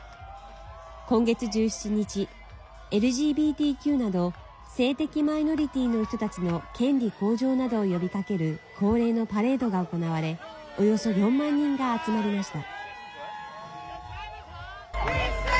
今月１７日、ＬＧＢＴＱなど性的マイノリティーの人たちの権利向上などを呼びかける恒例のパレードが行われおよそ４万人が集まりました。